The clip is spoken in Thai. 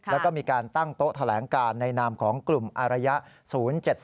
แล้วก็มีการตั้งโต๊ะแถลงการในนามของกลุ่มอารยะ๐๗๒